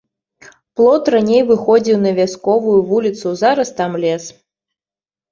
Плот раней выходзіў на вясковую вуліцу, зараз там лес.